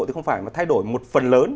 thì không phải mà thay đổi một phần lớn